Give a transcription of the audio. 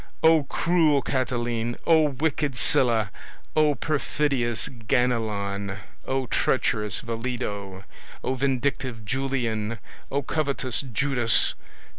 O, cruel Catiline! O, wicked Sylla! O, perfidious Ganelon! O, treacherous Vellido! O, vindictive Julian! O, covetous Judas!